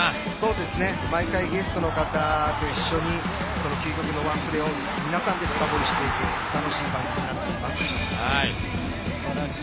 毎回、ゲストの方と一緒に究極のワンプレーを皆さんで深掘りしていく楽しい番組になっております。